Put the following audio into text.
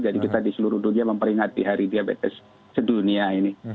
jadi kita di seluruh dunia memperingati hari diabetes sedunia ini